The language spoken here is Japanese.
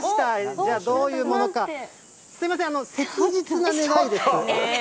じゃあ、どういうものか、すみません、切実な願いです。